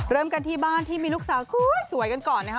เริ่มกันที่บ้านที่มีลูกสาวสวยกันก่อนนะคะ